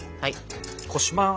こします。